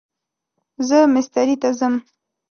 زه مستری ته ځم